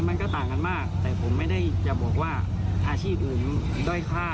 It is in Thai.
มันก็ต่างกันมากแต่ผมไม่ได้จะบอกว่าอาชีพอื่นด้อยค่า